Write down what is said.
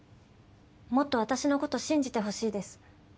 もっと私の事信じてほしいです。